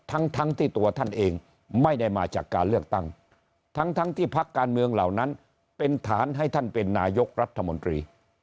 ทั้งทั้งที่ตัวท่านเองไม่ได้มาจากการเลือกตั้งทั้งทั้งที่พักการเมืองเหล่านั้นเป็นฐานให้ท่านเป็นนายกรัฐมนตรี